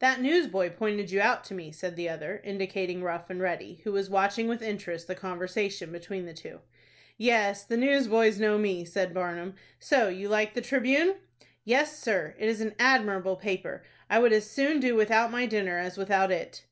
"That newsboy pointed you out to me," said the other, indicating Rough and Ready, who was watching with interest the conversation between the two. "Yes, the newsboys know me," said Barnum. "So you like the 'Tribune'?" "Yes, sir, it is an admirable paper. I would as soon do without my dinner as without it."